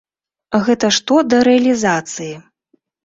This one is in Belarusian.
Гэта што да рэалізацыі.